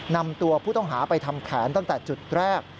นำตัวผู้ต้องหาไปทำแผนตั้งแต่จุดแรก